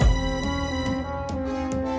jangan khawatir eugene